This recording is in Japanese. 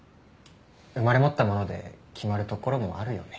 生まれ持ったもので決まるところもあるよね。